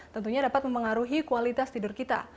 tentunya dapat mempengaruhi kualitas tidur kita